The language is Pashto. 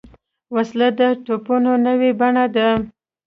وسله د ټپونو نوې بڼه ده